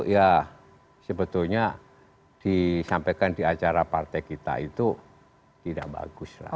ya sebetulnya disampaikan di acara partai kita itu tidak bagus lah